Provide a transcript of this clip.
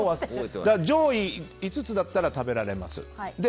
上位５つだったら食べられます。